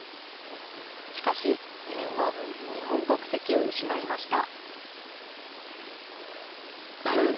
しかし、戦後、日本国籍を失いました。